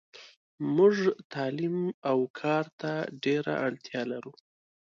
موږ تعلیم اوکارته ډیره اړتیالرو .